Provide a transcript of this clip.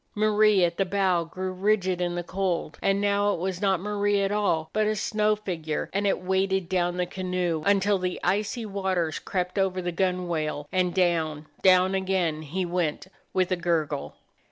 Marie at the bow grew rigid in the cold; and now it was not Marie at all, but a snow figure, and it weighted down the canoe until the icy waters crept over the gunwale, and down, down again he went with a gurgle.